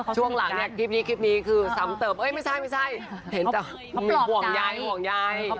ช่วงหลังคลิปนี้คือสำเติบเอ้ยไม่ใช่เห็นแต่มีห่วงยาย